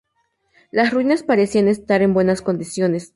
Las ruinas parecían estar en buenas condiciones.